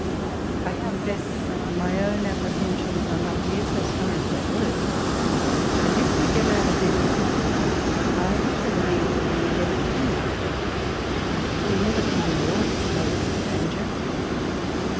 I confess ray own appre hensions are not near so strong as they were ; and if we get over this, I shall believe that we never can be hurt ; for we never can be more exposed to danger.